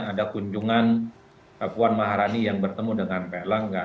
ada kunjungan puan maharani yang bertemu dengan pak erlangga